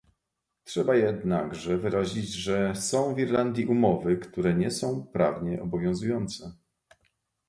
Trzeba jednakże wyrazić, że są w Irlandii umowy, które nie są prawnie obowiązujące